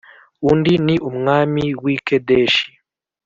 undi ni umwami w’ i Kedeshi